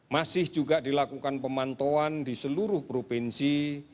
masih juga dilakukan pemantauan di seluruh provinsi